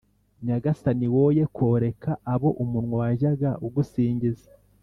nyagasani, woye koreka abo umunwa wajyaga ugusingiza.»